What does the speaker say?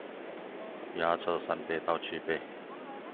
壓測三倍到七倍